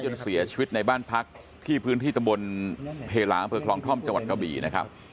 เสียชีวิตในบ้านพักที่พื้นที่ตำบลเพลาอำเภอคลองท่อมจังหวัดกะบี่นะครับ